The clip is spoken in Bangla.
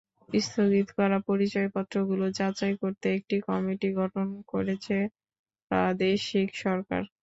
স্থগিত করা পরিচয়পত্রগুলো যাচাই করতে একটি কমিটি গঠন করেছে প্রাদেশিক সরকার।